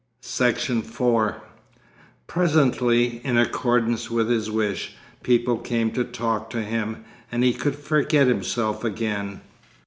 Section 4 Presently, in accordance with his wish, people came to talk to him, and he could forget himself again.